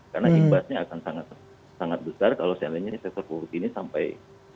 karena imbasnya akan sangat besar kalau seandainya sektor properti ini sampai